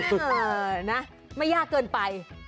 เออนะไม่ยากเกินไป